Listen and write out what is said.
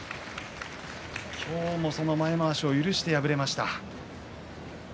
今日もその前まわしを許して敗れました。